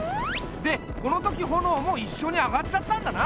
でこの時炎も一緒に上がっちゃったんだな。